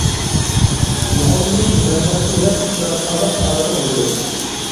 يۇقۇملىنىش مەنبەسى بىلەن ئۇچراشقانلىق تارىخى بولىدۇ.